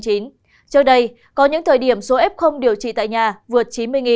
trước đây có những thời điểm số f điều trị tại nhà vượt chín mươi